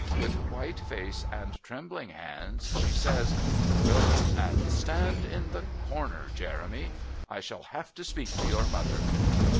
With white face and trembling hands, she says: "Go and stand in the corner, Jeremy! I shall have to speak to your mother!"